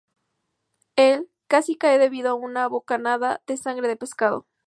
Él casi cae debido a una bocanada de sangre de pescado.